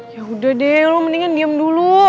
ya udah deh lo mendingan diem dulu